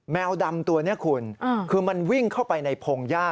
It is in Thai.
แมวดำตัวนี้คุณคือมันวิ่งเข้าไปในพงหญ้า